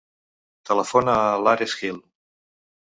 Telefona a l'Ares Hill.